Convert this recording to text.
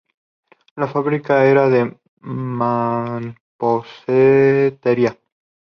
La fábrica era de mampostería.